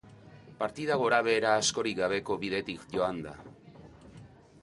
Partida gora-behera askorik gabeko bidetik joan da.